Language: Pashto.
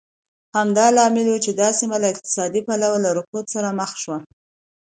همدا لامل و چې دا سیمه له اقتصادي پلوه رکود سره مخ شوه.